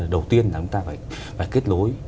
đầu tiên là chúng ta phải kết nối